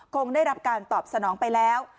คงได้รับการตอบสนองไปแล้ว